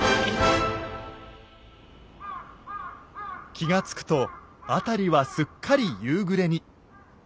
気が付くと辺りはすっかり夕暮れに。